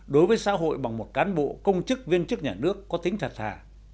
đối với xã hội bằng một cán bộ công chức viên chức nhà nước có tính thật thà